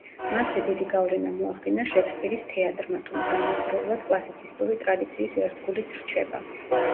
მასზე დიდი გავლენა მოახდინა შექსპირის თეატრმა, თუმცა ამავდროულად კლასიცისტური ტრადიციის ერთგულიც რჩება.